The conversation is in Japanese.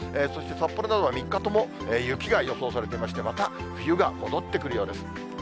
そして札幌などは３日ほど雪が予想されていまして、また冬が戻ってくるようです。